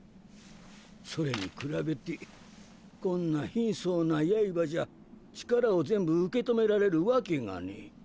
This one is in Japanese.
それに比べてこんな貧相な刃じゃ力を全部受け止められるわけがねえ。